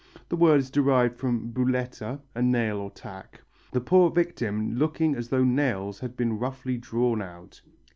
The word is derived from bulletta (a nail or tack), the poor victim looking as though nails had been roughly drawn out.